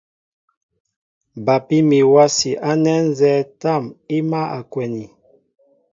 Bapí mi wási ánɛ nzɛ́ɛ́ tâm i mǎl a kwɛni.